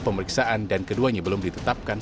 pemeriksaan dan keduanya belum ditetapkan